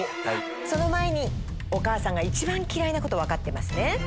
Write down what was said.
その前にお母さんが一番嫌いなこと分かってますね。